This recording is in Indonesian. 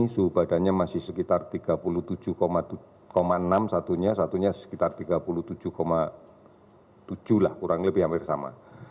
suhu badannya masih sekitar tiga puluh tujuh enam satunya satunya sekitar tiga puluh tujuh tujuh lah kurang lebih hampir sama